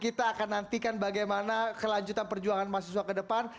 kita akan nantikan bagaimana kelanjutan perjuangan mahasiswa ke depan